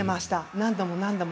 何度も何度も。